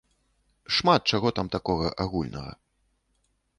Шмат чаго там такога, агульнага.